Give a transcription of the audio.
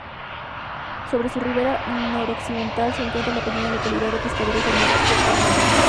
Sobre su ribera noroccidental se encuentra la pequeña localidad de pescadores llamada puerto Almanza.